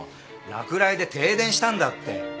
落雷で停電したんだって。